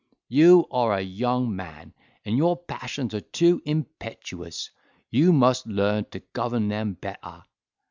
You are a young man, and your passions are too impetuous; you must learn to govern them better.